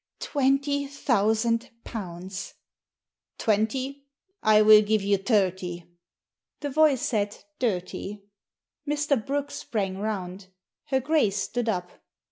" Twenty thousand pounds !"" Twenty ? I will give you thirty !" The voice said "dir^." Mr. Brooke sprang round. Her Grace stood up.